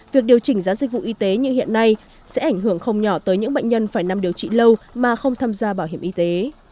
việc điều chỉnh giá dịch vụ y tế như hiện nay sẽ ảnh hưởng không nhỏ tới những bệnh nhân phải nằm điều trị lâu mà không tham gia bảo hiểm y tế